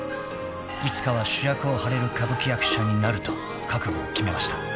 ［いつかは主役を張れる歌舞伎役者になると覚悟を決めました］